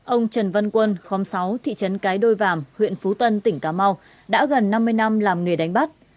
ông trần văn quân khóm sáu thị trấn cái đôi vàm huyện phú tân tỉnh cà mau đã gần năm mươi năm làm nghề đánh bắt